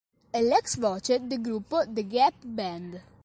È l'ex voce del gruppo The Gap Band.